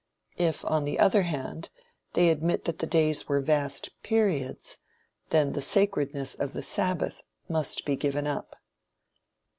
If, on the other hand, they admit that the days were vast "periods," then the sacredness of the sabbath must be given up.